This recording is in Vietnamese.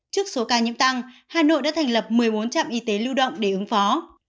trước số ca nhiễm tăng hà nội đã thành lập một mươi bốn trạm y tế lưu động để ứng phó